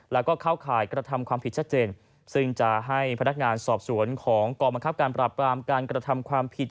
แล้วก็เข้าข่ายกระทำความผิดชัดเจนซึ่งจะให้พนักงานสอบสวนของกองบังคับการปราบรามการกระทำความผิด